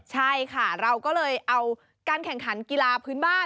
ใช่ค่ะเราก็เลยเอาการแข่งขันกีฬาพื้นบ้าน